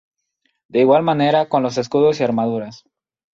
De igual manera con los escudos y armaduras.